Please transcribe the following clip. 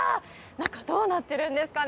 中どうなってるんですかね？